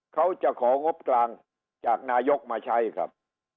เขาจะของงบกลางจากนายกมาใช้ครับ